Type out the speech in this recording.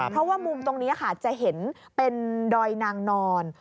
เพราะว่ามุมตรงนี้ค่ะจะเห็นเป็นดอยนางนอน